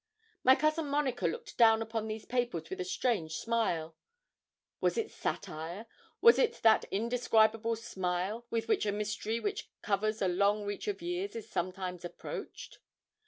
My cousin Monica looked down upon these papers with a strange smile; was it satire was it that indescribable smile with which a mystery which covers a long reach of years is sometimes approached?